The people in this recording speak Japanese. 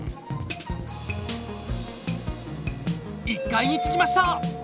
１階に着きました。